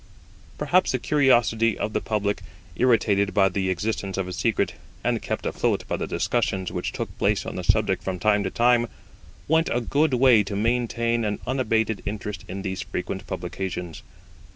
Perhaps the curiosity of the public, irritated by the existence of a secret, and kept afloat by the discussions which took place on the subject from time to time, went a good way to maintain an unabated interest in these frequent publications.